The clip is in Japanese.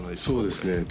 そうですね